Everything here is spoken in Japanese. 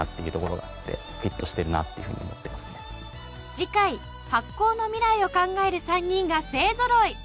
次回発酵のミライを考える３人が勢ぞろい！